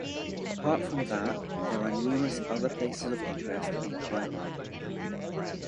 Apart from that, there are numerous other places of interest in Kaimur.